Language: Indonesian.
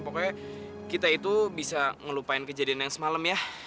pokoknya kita itu bisa ngelupain kejadian yang semalam ya